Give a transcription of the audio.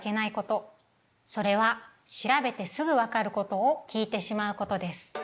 それは調べてすぐわかることを聞いてしまうことです。